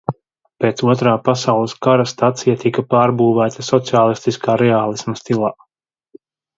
Pēc Otrā pasaules kara stacija tika pārbūvēta sociālistiskā reālisma stilā.